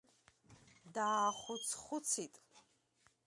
Даахәыцхәыцит.